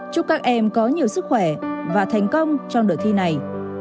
chúc các em có nhiều sức khỏe và thành công trong đợt thi này